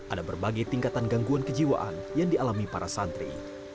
ada berbagai tingkatan gangguan kejiwaan yang dialami para santri